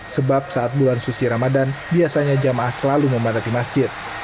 sebab saat bulan suci ramadan biasanya jamaah selalu memadati masjid